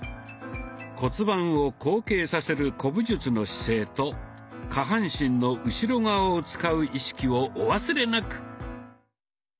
骨盤を後傾させる古武術の姿勢と下半身の後ろ側を使う意識をお忘れなく！